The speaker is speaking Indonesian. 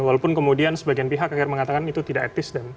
walaupun kemudian sebagian pihak akhirnya mengatakan itu tidak etis